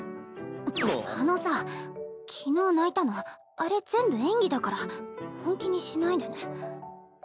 あのさ昨日泣いたのあれ全部演技だから本気にしないでね。